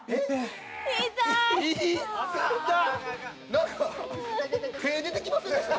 なんか、手、出てきてませんでした？